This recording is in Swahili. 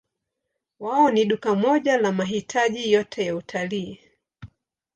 Wao ni duka moja la mahitaji yote ya utalii.